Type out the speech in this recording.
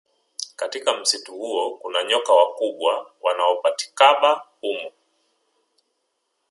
Katika msitu huo kuna nyoka wakubwa wanaopatikaba humo